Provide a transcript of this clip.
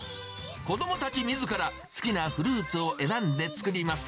子どもたちみずから好きなフルーツを選んで作ります。